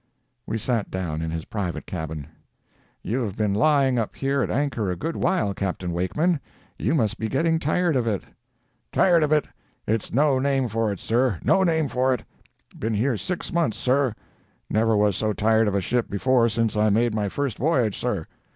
We sat down in his private cabin. "You have been lying up here at anchor a good while, Capt. Wakeman. You must be getting tired of it." "Tired of it! It's no name for it, sir—no name for it. Been here six months sir. Never was so tired of a ship before since I made my first voyage, sir.